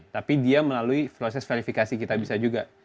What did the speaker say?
tapi dia melalui proses verifikasi kitabisa juga